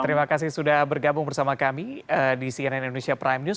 terima kasih sudah bergabung bersama kami di cnn indonesia prime news